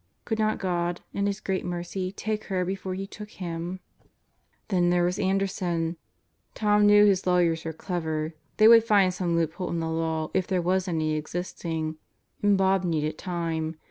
Could not God, in His great mercy, take her before He took him? Then there was Anderson. ... Tom knew his lawyers were clever. They would find some loophole in the law if there was any existing. And Bob needed time.